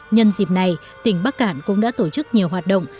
nhân dịp này tỉnh bắc cạn cũng đã tổ chức nhiều hoạt động